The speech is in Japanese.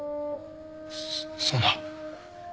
そそんな。